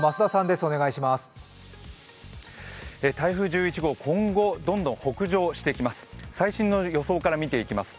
台風１１号、今後どんどん北上していきます。